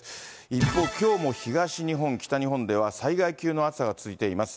一方、きょうも東日本、北日本では災害級の暑さが続いています。